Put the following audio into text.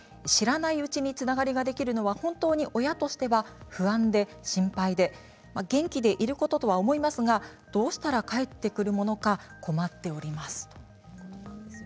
知らないうちにつながりができるのは本当に親としては不安で心配で元気でいるとは思いますがどうしたら帰ってくるものか困っています。